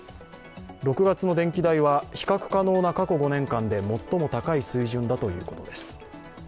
６月の電気代は比較可能な過去５年間で最も高い水準だということです。